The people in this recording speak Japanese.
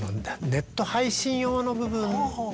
ネット配信用の部分を。